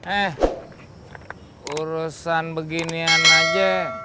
eh urusan beginian aja